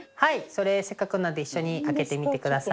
それせっかくなんで一緒に開けてみてください。